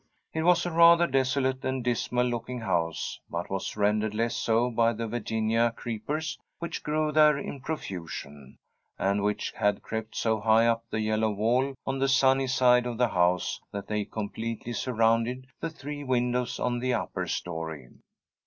It was a rather desolate and dismal looking house, but was rendered less so by the Virginia creepers which grew there in profusion, and which had crept so high up the yellow wall on the sunny side of the house that they completely surrounded the three windows on the upper story.